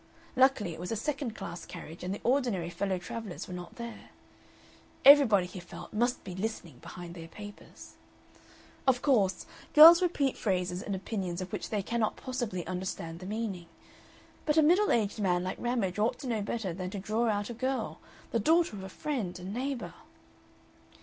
Luckily it was a second class carriage and the ordinary fellow travellers were not there. Everybody, he felt, must be listening behind their papers. Of course, girls repeat phrases and opinions of which they cannot possibly understand the meaning. But a middle aged man like Ramage ought to know better than to draw out a girl, the daughter of a friend and neighbor....